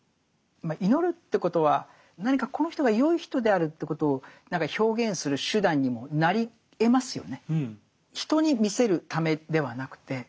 祈るってことは何かこの人がよい人であるということを何か表現する手段にもなりえますよね。